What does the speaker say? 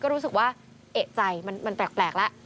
รู้สึกว่าเอกใจมันแปลกแล้ว